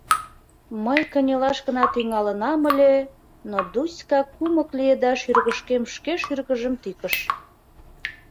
Мый кынелаш гына тӱҥалынам ыле, но Дуська кумык лие да шӱргышкем шке шӱргыжым тӱкыш.